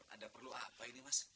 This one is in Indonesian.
ada perlu apa ini mas